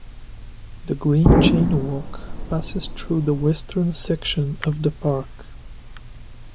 The Green Chain Walk passes through the western section of the park.